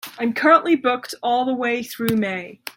I'm currently booked all the way through May.